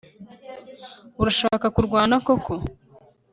Urashaka kurwana koko